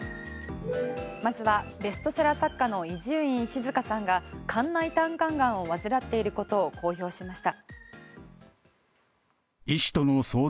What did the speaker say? まずはベストセラー作家の伊集院静さんが肝内胆管がん患っていることを公表しました。